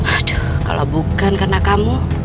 aduh kalau bukan karena kamu